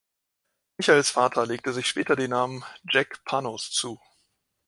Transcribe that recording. Michaels Vater legte sich später den Namen Jack Panos zu.